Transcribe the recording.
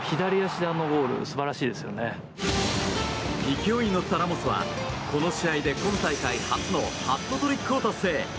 勢いに乗ったラモスはこの試合で今大会初のハットトリックを達成。